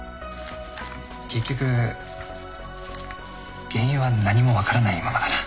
結局原因は何も分からないままだな。